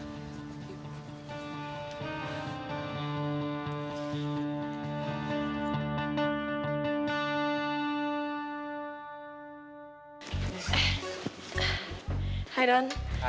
tidak ada yang bisa dihapus